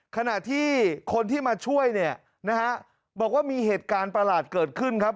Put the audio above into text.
ขณะที่คนที่มาช่วยเนี่ยนะฮะบอกว่ามีเหตุการณ์ประหลาดเกิดขึ้นครับ